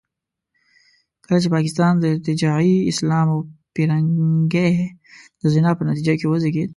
کله چې پاکستان د ارتجاعي اسلام او پیرنګۍ د زنا په نتیجه کې وزېږېد.